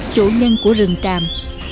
chủ nhân của rừng trạm